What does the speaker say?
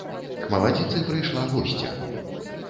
К маладзіцы прыйшла госця.